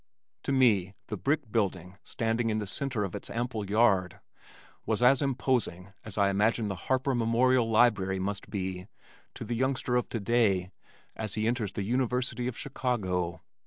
To me the brick building standing in the center of its ample yard was as imposing as I imagine the Harper Memorial Library must be to the youngster of today as he enters the University of Chicago.